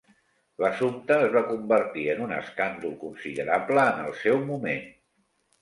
L'assumpte es va convertir en un escàndol considerable en el seu moment.